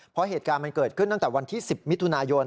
เพราะเหตุการณ์มันเกิดขึ้นตั้งแต่วันที่๑๐มิถุนายน